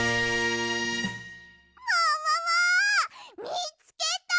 みつけた！